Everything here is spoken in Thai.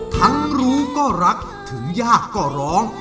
ทั้งรู้ก็รักถึงยากก็ร้อง